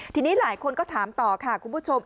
ทีนี้หลายคนก็ถามต่อค่ะคุณผู้ชม